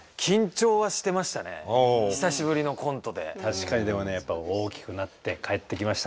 確かにでもねやっぱり大きくなって帰ってきましたね。